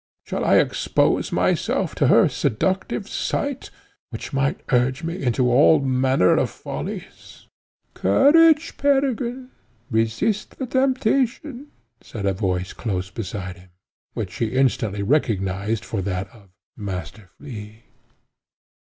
Shall I expose myself to her seductive sight, which might urge me into all manner of follies?" "Courage, Peregrine! resist the temptation!" lisped a voice close beside him, which he instantly recognised for that of Master Flea.